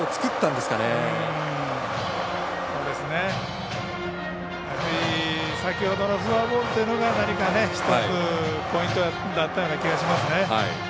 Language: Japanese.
やはり、先ほどのフォアボールというのが何か１つポイントだったような気がしますね。